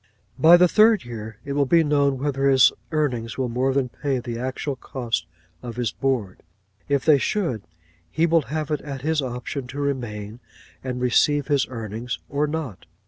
By the third year it will be known whether his earnings will more than pay the actual cost of his board; if they should, he will have it at his option to remain and receive his earnings, or not.